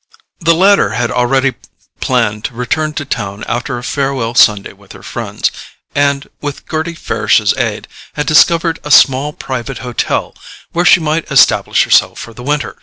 The latter had already planned to return to town after a farewell Sunday with her friends; and, with Gerty Farish's aid, had discovered a small private hotel where she might establish herself for the winter.